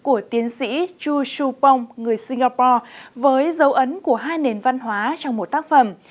của tiến sĩ chu supong người singapore với dấu ấn của hai nền văn hóa trong một tác phẩm